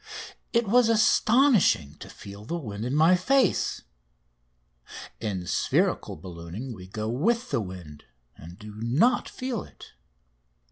It was astonishing to feel the wind in my face. In spherical ballooning we go with the wind, and do not feel it.